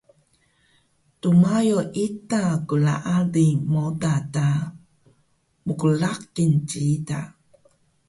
dmayo ita klaali moda ta mqraqil ciida